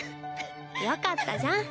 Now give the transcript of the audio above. よかったじゃん。